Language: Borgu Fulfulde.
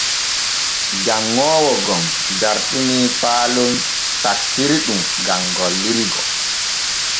Janŋoowo gom dartini paalon takkirɗum gam gollirgo.